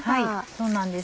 そうなんです。